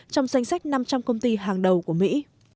trong danh sách năm trăm linh công ty hàng đầu của mỹ